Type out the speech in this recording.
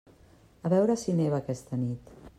A veure si neva aquesta nit.